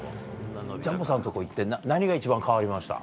ジャンボさんのところ行って、何が一番変わりました？